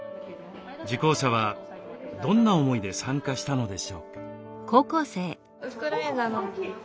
受講者はどんな思いで参加したのでしょうか？